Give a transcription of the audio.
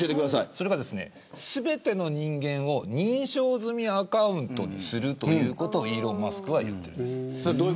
それは全ての人間を認証済みアカウントにするということをイーロン・マスクが言っています。